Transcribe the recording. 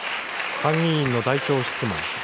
参議院の代表質問。